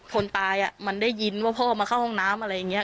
คนตายมันได้ยินว่าพ่อมาเข้าห้องน้ำอะไรอย่างนี้